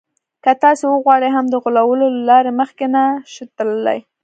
که تاسې وغواړئ هم د غولولو له لارې مخکې نه شئ تللای.